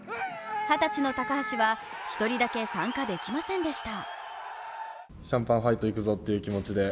二十歳の高橋は、１人だけ参加できませんでした。